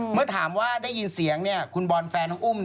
เมื่อถามว่าได้ยินเสียงคุณบอลแฟนน้องอุ้ม